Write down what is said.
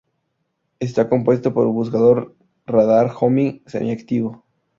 Está compuesto por un buscador radar-homing semi-activo.